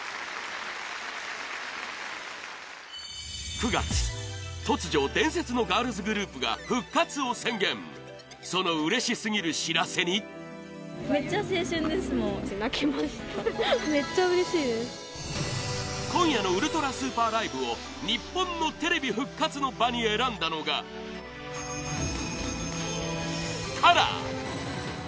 ９月、突如伝説のガールズグループが復活を宣言そのうれしすぎる知らせに今夜のウルトラＳＵＰＥＲＬＩＶＥを日本のテレビ復活の場に選んだのがＫＡＲＡ！